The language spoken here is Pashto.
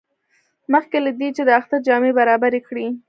مخکې له دې چې د اختر جامې برابرې کړي.